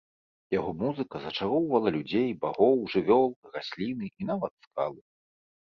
Яго музыка зачароўвала людзей, багоў, жывёл, расліны і нават скалы.